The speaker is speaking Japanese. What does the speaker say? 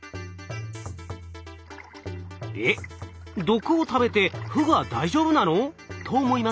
「えっ毒を食べてフグは大丈夫なの？」と思いますよね。